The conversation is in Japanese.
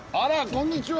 こんにちは！